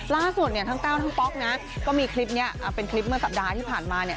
ล่าสุดเนี่ยทั้งแต้วทั้งป๊อกนะก็มีคลิปนี้เป็นคลิปเมื่อสัปดาห์ที่ผ่านมาเนี่ย